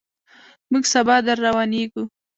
موږ سبا درروانېږو.